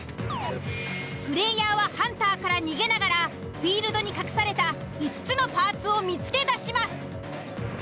プレイヤーはハンターから逃げながらフィールドに隠された５つのパーツを見つけ出します。